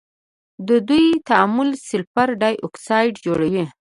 د دوی تعامل سلفر ډای اکسايډ جوړوي.